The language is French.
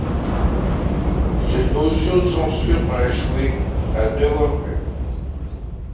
Cette motion de censure a échoué à deux voix près.